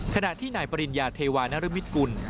ขณะที่นายปริญญาเทวานรมิตกุล